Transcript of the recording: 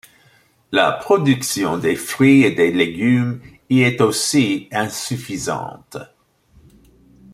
La production des fruits et des légumes y est aussi insuffisante.